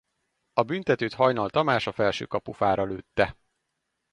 A büntetőt Hajnal Tamás a felső kapufára lőtte.